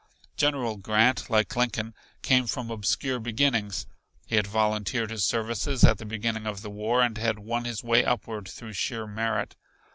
General Grant, like Lincoln, came from obscure beginnings. He had volunteered his services at the beginning of the war, and had won his way upward through sheer merit.